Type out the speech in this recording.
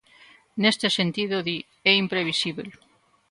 Neste sentido, di, "é imprevisíbel".